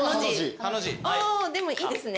おでもいいですね。